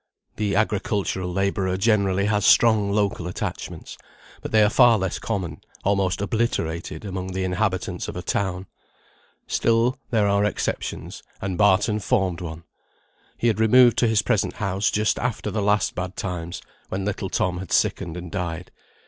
The agricultural labourer generally has strong local attachments; but they are far less common, almost obliterated, among the inhabitants of a town. Still there are exceptions, and Barton formed one. He had removed to his present house just after the last bad times, when little Tom had sickened and died.